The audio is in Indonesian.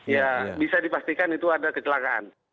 ya bisa dipastikan itu ada kecelakaan